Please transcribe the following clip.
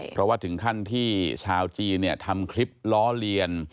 เพราะว่าถึงขั้นที่ชาวจีนเนี่ยทำคลิปล้อเลียน